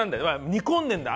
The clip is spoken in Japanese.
煮込んでるんだ。